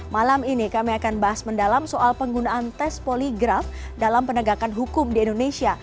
malam ini kami akan bahas mendalam soal penggunaan tes poligraf dalam penegakan hukum di indonesia